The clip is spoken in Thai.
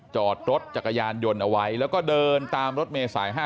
จอดรถจักรยานยนต์เอาไว้แล้วก็เดินตามรถเมษาย๕๗